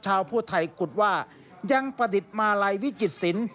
ชาวผู้ไทยกลุ่นว่ายังประดิษฐ์มาลัยวิกฤษศิลป์